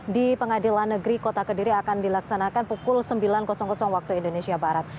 di pengadilan negeri kota kediri akan dilaksanakan pukul sembilan waktu indonesia barat